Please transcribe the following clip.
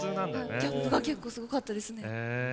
ギャップが結構すごかったですね。